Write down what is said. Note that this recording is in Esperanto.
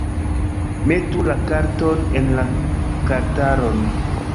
Metu la karton en la kartaron